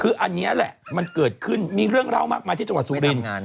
คืออันนี้แหละมันเกิดขึ้นมีเรื่องเล่ามากมายที่จังหวัดสุรินทร์